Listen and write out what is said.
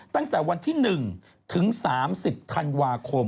ตั้งแต่วันที่๑ถึง๓๐ธันวาคม